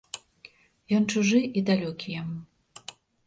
Ён чужы і далёкі яму.